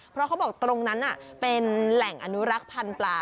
เพราะเขาบอกตรงนั้นเป็นแหล่งอนุรักษ์พันธุ์ปลา